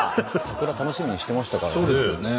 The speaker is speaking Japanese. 桜楽しみにしてましたからね。